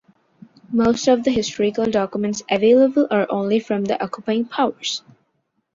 Most of the historical documents available are only from the occupying powers.